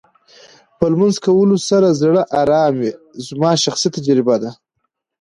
په لمونځ کولو سره زړه ارامه وې زما شخصي تجربه.